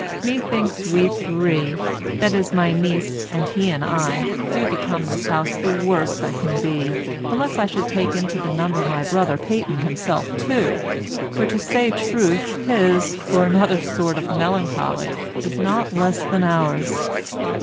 Methinks we three (that is, my niece, and he and I) do become this house the worst that can be, unless I should take into the number my brother Peyton himself too; for to say truth his, for another sort of melancholy, is not less than ours.